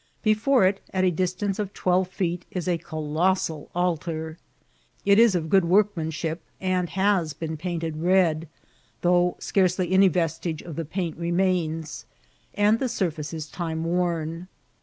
Before it, at a dis* tance of twelve feet, is a colossal ahar. It is of good workmanship, and has been painted red, though scarce* ly any vestige of the paint remains, and the surface is time worn.